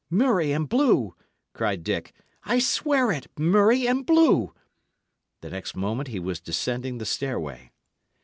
"Murrey and blue!" cried Dick. "I swear it murrey and blue!" The next moment he was descending the stairway.